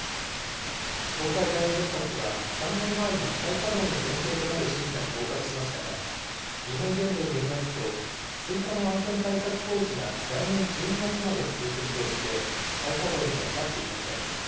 東海第二原発は、３年前に再稼働の前提となる審査に合格しましたが、日本原電によりますと、追加の安全対策工事が来年１２月まで続く見通しで、再稼働には至っていません。